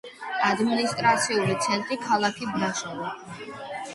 ადმინისტრაციული ცენტრი ქალაქი ბრაშოვი.